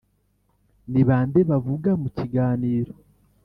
ni bande bavuga mu kiganiro